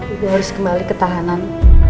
ibu harus kembali ke tahanan